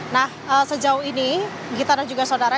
nah sejauh ini kita ada juga saudara